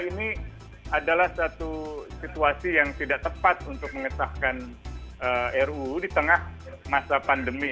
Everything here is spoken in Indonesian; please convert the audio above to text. ini adalah satu situasi yang tidak tepat untuk mengesahkan ruu di tengah masa pandemi